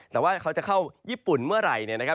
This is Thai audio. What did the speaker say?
แต่ว่าเขาจะเข้าญี่ปุ่นเมื่อไหร่เนี่ยนะครับ